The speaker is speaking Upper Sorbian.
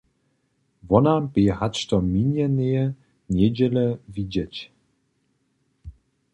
Wona bě hač do minjeneje njedźele widźeć.